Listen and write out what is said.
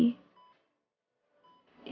ya allah master randy